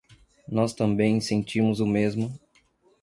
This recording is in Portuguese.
Nós também sentimos o mesmo